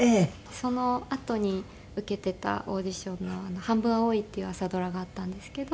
そのあとに受けていたオーディションの『半分、青い。』っていう朝ドラがあったんですけど。